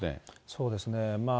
そうですね。